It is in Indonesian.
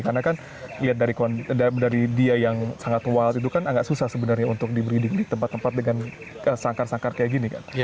karena kan lihat dari dia yang sangat wild itu kan agak susah sebenarnya untuk diberi di tempat tempat dengan sangkar sangkar kayak gini